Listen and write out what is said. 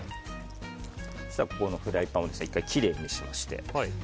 フライパンを１回きれいにしまして。